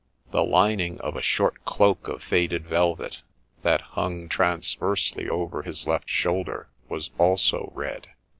The lining of a short cloak of faded velvet, that hung transversely over his left shoulder, was also red.